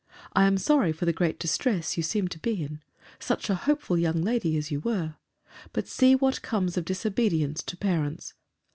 I am sorry for the great distress you seem to be in. Such a hopeful young lady as you were! But see what comes of disobedience to parents!